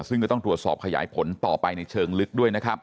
ซึ่งก็ต้องตรวจสอบขยายผลต่อไปในเชิงลึกด้วยนะครับ